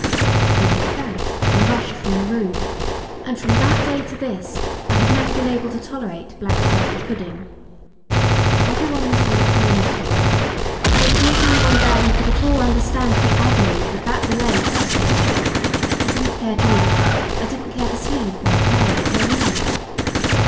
And, with that, I rushed from the room; and from that day to this I have never been able to tolerate black currant pudding. Every one was very kind to me; but there was not any one there who could at all understand the agony that that delay cost me. I didn't care to eat, I didn't care to sleep or play or read.